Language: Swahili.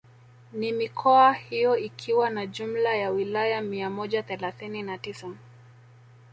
Na mikoa hiyo ikiwa na jumla ya wilaya mia moja thelathini na tisa